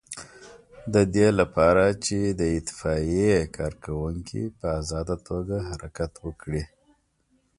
د دې لپاره چې د اطفائیې کارکوونکي په آزاده توګه حرکت وکړي.